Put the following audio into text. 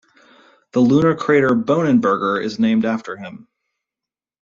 The lunar crater Bohnenberger is named after him.